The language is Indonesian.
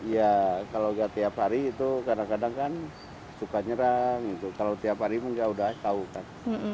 iya kalau nggak tiap hari itu kadang kadang kan suka nyerang gitu kalau tiap hari mungkin udah tau kan